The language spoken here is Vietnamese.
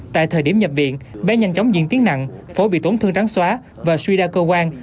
tại thời điểm nhập viện bé nhanh chóng diễn tiến nặng phổi bị tổn thương trắng xóa và suy đa cơ quan